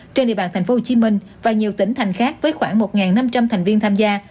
trên địa bàn tp hcm và nhiều tỉnh thành khác với khoảng một năm trăm linh thành viên tham gia